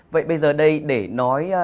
vậy bây giờ đây để nói